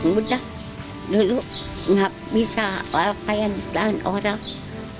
mudah dulu nggak bisa payah ditahan orang